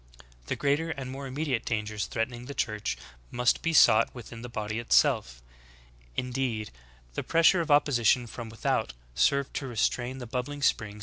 The greater and more im mediate dangers threatening the Church must be sought within the body itself. Indeed, the pressure of opposition from without served to restrain the bubbling springs of in cMilner, "Church History," Cent.